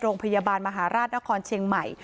โรงพยาบาลมหาราชนครเชียงใหม่